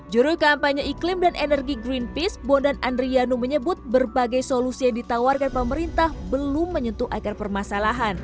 juru kampanye iklim dan energi greenpeace bondan andrianu menyebut berbagai solusi yang ditawarkan pemerintah belum menyentuh akar permasalahan